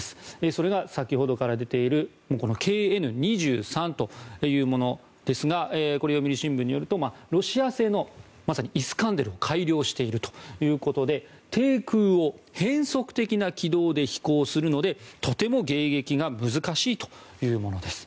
それが、先ほどから出ているＫＮ２３というものですがこれ、読売新聞によるとロシア製のまさにイスカンデルを改良しているということで低空を変則的な軌道で飛行するのでとても迎撃が難しいというものです。